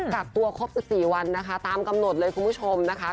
กักตัวครบ๑๔วันนะคะตามกำหนดเลยคุณผู้ชมนะคะ